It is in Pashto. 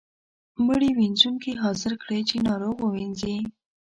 مړي وينځونکی حاضر کړئ چې ناروغ ووینځي.